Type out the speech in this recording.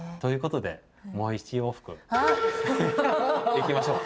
いきましょう。